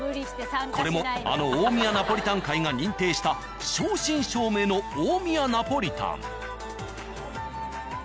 これもあの大宮ナポリタン会が認定した正真正銘の大宮ナポリタン。